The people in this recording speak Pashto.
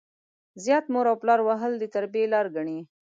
زيات مور او پلار وهل د تربيې لار ګڼي.